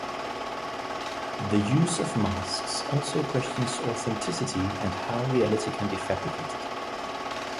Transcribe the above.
The use of masks also questions authenticity and how reality can be fabricated.